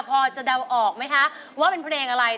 พอจะเดาออกไหมคะว่าเป็นเพลงอะไร